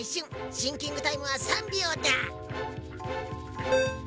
シンキングタイムは３びょうだ！